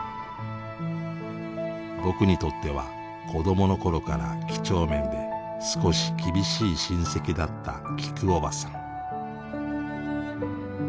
僕にとっては子どもの頃から几帳面で少し厳しい親戚だったきくおばさん。